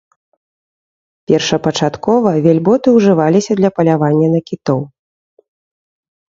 Першапачаткова вельботы ўжываліся для палявання на кітоў.